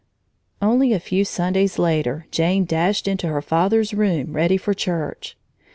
Only a few Sundays later Jane dashed into her father's room ready for church.